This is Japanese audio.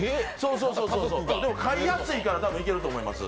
でも飼いやすいから、たぶんいけると思います。